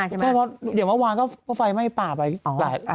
จริงเพราะว่าไฟไหม้ป่าคือแหละ